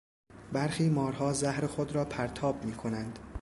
برخی مارها زهر خود را پرتاب میکنند.